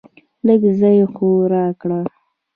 لږ ځای خو راکړه .